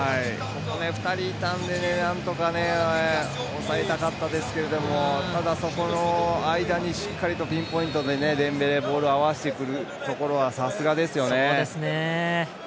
２人いたんでなんとか、抑えたかったですけどただ、そこの間にしっかりとピンポイントでデンベレ、ボール合わせてくるところはさすがですよね。